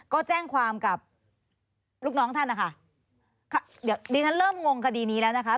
ก็แจ้งความกับลูกน้องท่านนะคะเดี๋ยวดิฉันเริ่มงงคดีนี้แล้วนะคะ